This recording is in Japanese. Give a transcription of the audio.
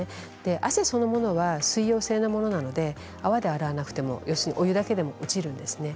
汗そのものは水溶性のものなので泡で洗わなくても、お湯だけでも落ちるんですね。